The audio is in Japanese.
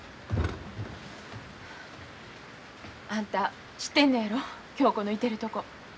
あんた知ってんのやろ恭子のいてるとこ。